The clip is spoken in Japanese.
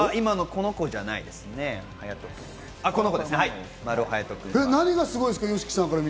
この子じゃないですね、何がすごいんですか？